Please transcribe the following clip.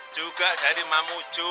juga dari mamucu